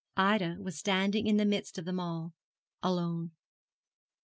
Ida was standing in the midst of them all alone.